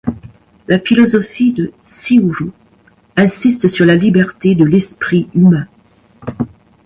La philosophie de Siuru insiste sur la liberté de l’esprit humain.